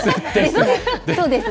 そうですね。